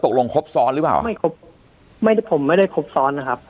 ครบซ้อนหรือเปล่าไม่ครบไม่ได้ผมไม่ได้ครบซ้อนนะครับ